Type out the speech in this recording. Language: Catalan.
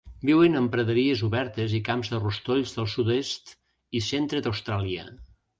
Viuen en praderies obertes i camps de rostolls del sud-est i centre d'Austràlia.